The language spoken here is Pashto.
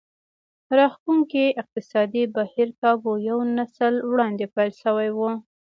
راښکوونکی اقتصادي بهير کابو یو نسل وړاندې پیل شوی و